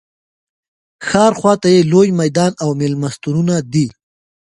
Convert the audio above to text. ښار خواته یې لوی میدان او مېلمستونونه دي.